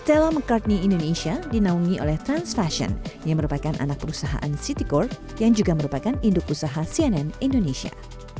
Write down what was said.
stella mccartney indonesia dinaungi oleh trans fashion yang merupakan anak perusahaan city corp yang juga merupakan induk usaha cnn indonesia